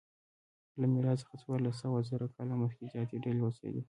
له میلاد څخه څوارلسزره کاله مخکې زیاتې ډلې اوسېدې.